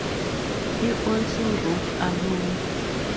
He also wrote alone.